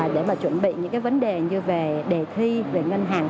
để mà chuẩn bị những cái vấn đề như về đề thi về ngân hàng